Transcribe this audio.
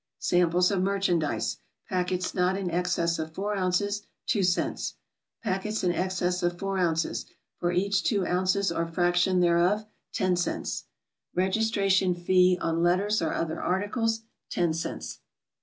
Samples of merchandise: Packets not in excess of four ounces 2 cts. Packets in excess of four ounces, for each two ounces or fraction thereof 10 cts. Registration fee on letters or other articles 10 cts.